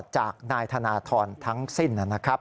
จากนายธนทรทั้งสิ้นนะครับ